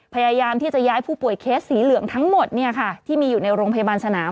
พยายามที่จะย้ายผู้ป่วยเคสสีเหลืองทั้งหมดที่มีอยู่ในโรงพยาบาลสนาม